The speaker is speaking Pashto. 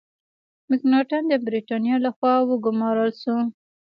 مکناټن د برتانیا له خوا وګمارل شو.